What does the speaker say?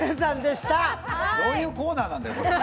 どういうコーナーなんだよ。